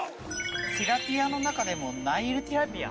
ティラピアの中でもナイルティラピア。